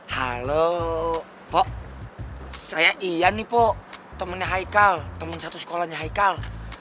halo pak saya iyan nih pak temennya haikal temen satu sekolahnya haikal